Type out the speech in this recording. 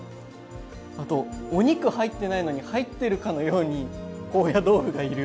あとお肉入ってないのに入ってるかのように高野豆腐がいる。